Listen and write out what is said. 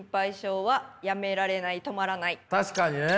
確かにね。